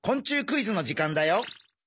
クイズの時間だよ。